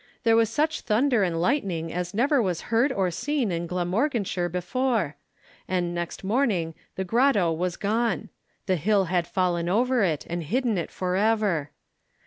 there was such thunder and lightning as never was heard or seen in Glamorganshire before; and next morning the grotto was gone! The hill had fallen over it and hidden it for ever.